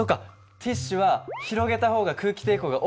ティッシュは広げた方が空気抵抗が大きいんだ。